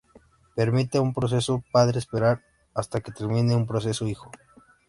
Permite a un proceso padre esperar hasta que termine un proceso hijo.